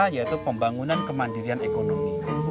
yaitu pembangunan kemandirian ekonomi